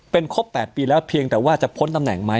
เป็นครบ๘ปีแล้วเพียงแต่ว่าจะพ้นตำแหน่งไหม